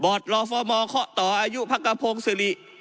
บอร์ตรอฟอร์หมอเขาต่ออายุภักกะโพงสิริ